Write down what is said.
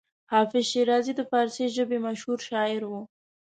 حافظ شیرازي د فارسي ژبې مشهور شاعر و.